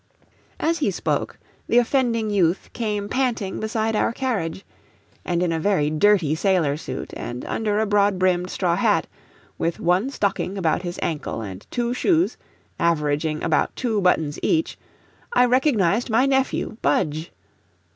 As he spoke, the offending youth came panting beside our carriage, and in a very dirty sailor suit, and under a broad brimmed straw hat, with one stocking about his ankle, and two shoes, averaging about two buttons each, I recognized my nephew, Budge!